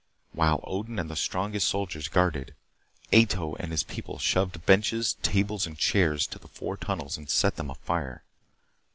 While Odin and the strongest soldiers guarded, Ato and his people shoved benches, tables and chairs to the four tunnels and set them afire.